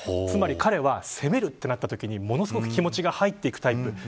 つまり彼は攻めるというときにものすごく気持ちが入っていくタイプ。